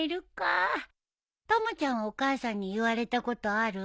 たまちゃんはお母さんに言われたことある？